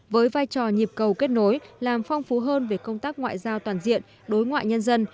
với vai trò nhịp cầu kết nối làm phong phú hơn về công tác ngoại giao toàn diện đối ngoại nhân dân